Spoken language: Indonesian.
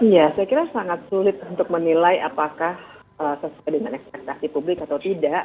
ya saya kira sangat sulit untuk menilai apakah sesuai dengan ekspektasi publik atau tidak